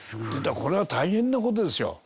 これは大変な事ですよ。